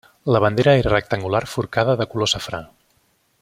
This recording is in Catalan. La bandera era rectangular forcada de color safrà.